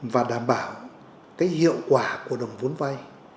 và đảm bảo hiệu quả của đồng vốn vai